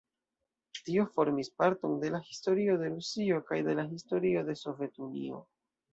Tio formis parton de la historio de Rusio kaj de la historio de Sovetunio.